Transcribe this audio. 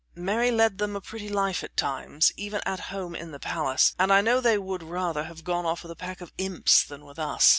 Mary led them a pretty life at all times, even at home in the palace, and I know they would rather have gone off with a pack of imps than with us.